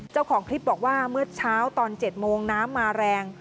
เจ้าของคลิปบอกว่าเมื่อเช้าตอน๗โมงน้ำมาแรง